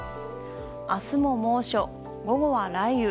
明日も猛暑、午後は雷雨。